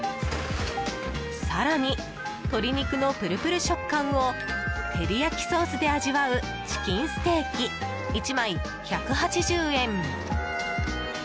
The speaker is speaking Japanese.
更に鶏肉のプルプル食感を照り焼きソースで味わうチキンステーキ、１枚１８０円。